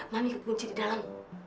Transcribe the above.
mami kekunci di dalam